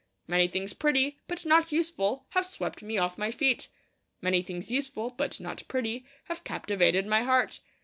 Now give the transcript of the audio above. Many things pretty, but not useful, have swept me off my feet. Many things useful, but not pretty, have captivated my heart.